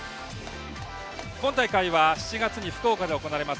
今大会は７月に福岡で行われます